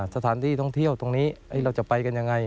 สถานที่ท่องเที่ยวตรงนี้